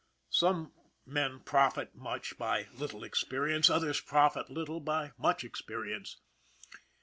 Some men profit much by little experience, others profit little by much experience.